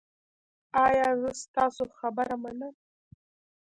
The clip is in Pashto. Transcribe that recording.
ایا زه ستاسو خبره منم؟